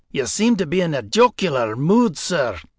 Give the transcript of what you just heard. "You seem to be in a jocular mood, sir."